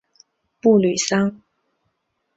布吕桑。